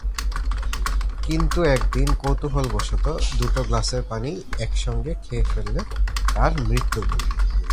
কিন্তু একদিন কৌতূহলবশত দুটো গ্লাসের পানিই একসঙ্গে খেয়ে ফেললে তার মৃত্যু ঘটে।